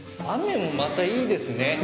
雨もまたいいですね。